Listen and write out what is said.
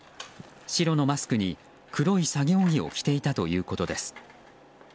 白のマスクに黒い作業着を着ていたということです。